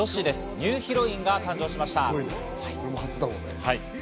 ニューヒロインが誕生しました。